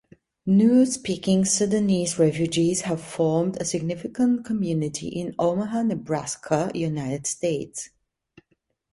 Nuer-speaking Sudanese refugees have formed a significant community in Omaha, Nebraska, United States.